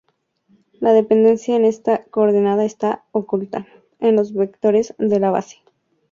La dependencia en esta coordenada está "oculta" en los vectores de la base.